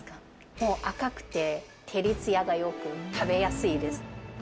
もう赤くて、照りつやがよく、食べやすいです。